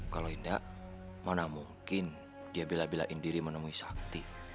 kalau enggak mana mungkin dia bila bilain diri menemui sakti